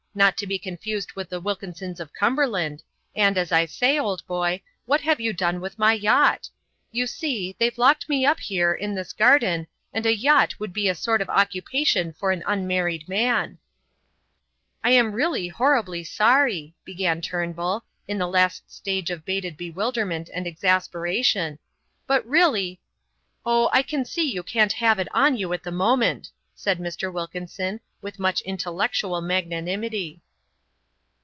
Not to be confused with the Wilkinsons of Cumberland; and as I say, old boy, what have you done with my yacht? You see, they've locked me up here in this garden and a yacht would be a sort of occupation for an unmarried man." "I am really horribly sorry," began Turnbull, in the last stage of bated bewilderment and exasperation, "but really " "Oh, I can see you can't have it on you at the moment," said Mr. Wilkinson with much intellectual magnanimity.